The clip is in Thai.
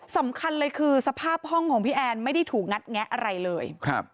สำคัญเลยคือสภาพห้องของพี่แอนไม่ได้ถูกงัดแงะอะไรเลยครับ